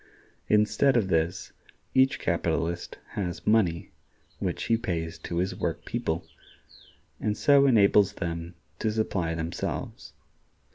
Instead of this, each capitalist has money, which he pays to his work people, and so enables them to supply themselves.